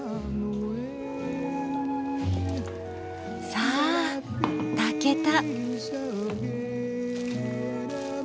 さあ炊けた。